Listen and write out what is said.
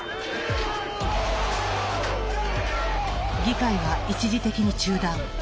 議会は一時的に中断。